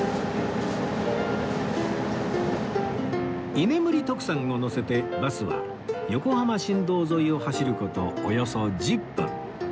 居眠り徳さんを乗せてバスは横浜新道沿いを走る事およそ１０分